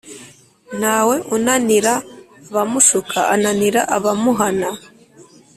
Ntawe unanira abamushuka ananira abamuhana.